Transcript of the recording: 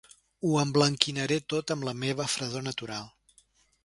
Ho emblanquinaré tot amb la meva fredor natural.